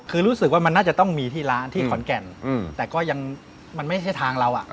คือรู้สึกว่ามันน่าจะต้องมีที่ร้านที่ขอนแก่นแต่ก็ยังมันไม่ใช่ทางเรา